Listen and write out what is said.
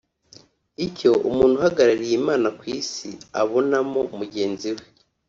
icyo umuntu uhagarariye Imana ku Isi abonamo mugenzi we